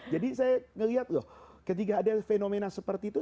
jadi saya melihat loh ketika ada fenomena seperti itu